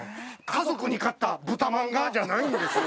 家族に買った豚まんが！じゃないんですよ。